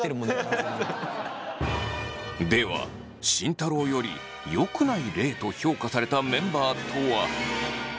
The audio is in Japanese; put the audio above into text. では慎太郎よりよくない例と評価されたメンバーとは。